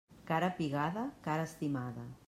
Cara pigada, cara estimada.